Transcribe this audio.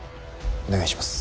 お願いします。